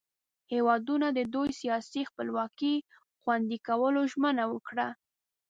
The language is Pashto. هیوادونو د دوئ سیاسي خپلواکي خوندي کولو ژمنه وکړه.